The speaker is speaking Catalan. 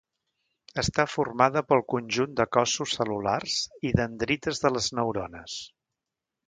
Està formada pel conjunt de cossos cel·lulars i dendrites de les neurones.